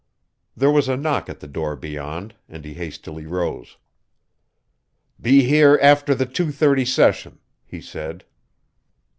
There was a knock at the door beyond, and he hastily rose. "Be here after the two thirty session," he said.